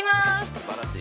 すばらしい。